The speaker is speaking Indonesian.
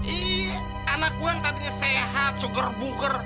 iya anak gue yang tadinya sehat sugar buker